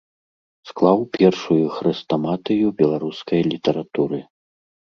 Склаў першую хрэстаматыю беларускай літаратуры.